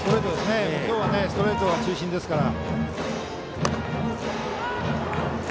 今日はストレート中心ですから。